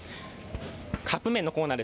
カップめんのコーナー